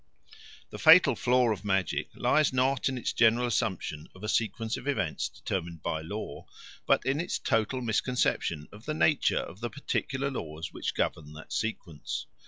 The fatal flaw of magic lies not in its general assumption of a sequence of events determined by law, but in its total misconception of the nature of the particular laws which govern that sequence.